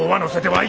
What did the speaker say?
はい。